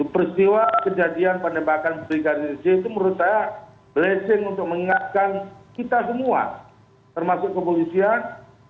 peristiwa kejadian penembakan brigadir j itu menurut saya blessing untuk mengingatkan kita semua termasuk kepolisian